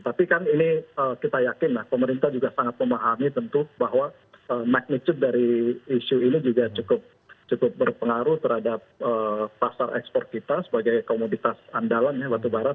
tapi kan ini kita yakin lah pemerintah juga sangat memahami tentu bahwa magnitude dari isu ini juga cukup berpengaruh terhadap pasar ekspor kita sebagai komoditas andalan ya batubara